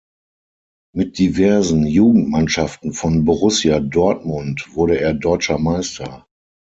Mit diversen Jugendmannschaften von Borussia Dortmund wurde er Deutscher Meister.